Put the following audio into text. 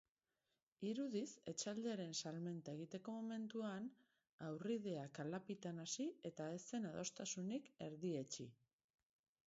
Irudiz, etxaldearen salmenta egiteko momentuan haurrideak kalapitan hasi eta ez zen adostasunik erdietsi.